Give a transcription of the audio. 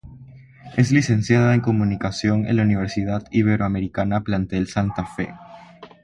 Es Licenciada en Comunicación en la Universidad Iberoamericana Plantel Santa Fe.